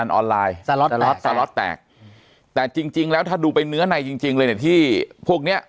ออนไลน์แต่จริงแล้วถ้าดูเป็นเนื้อในจริงเลยที่พวกเนี่ย